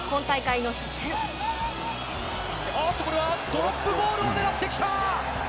おっと、これは、ドロップゴールを狙ってきた。